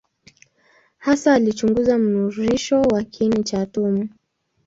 Hasa alichunguza mnururisho wa kiini cha atomu.